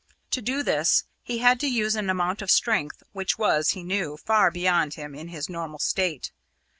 To do this, he had to use an amount of strength which was, he knew, far beyond him in his normal state.